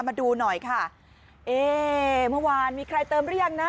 มาดูหน่อยค่ะเอ๊เมื่อวานมีใครเติมหรือยังนะ